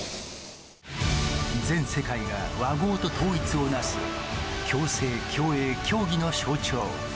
全世界が和合と統一をなす、共生、共栄、共義の象徴。